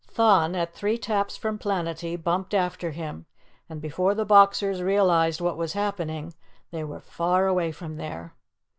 Thun, at three taps from Planetty, bumped after him, and before the Boxers realized what was happening they were far away from there.